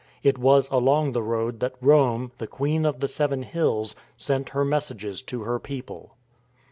It was along the road that Rome, the Queen of the Seven Hills, sent her messages to her people.